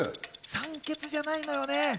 酸欠じゃないのよ。